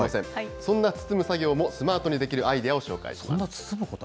そんな包む作業もスマートにできるアイデアを紹介します。